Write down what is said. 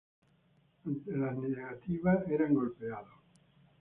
Ante las negativas eran golpeados.